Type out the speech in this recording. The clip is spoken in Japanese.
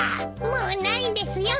もうないですよ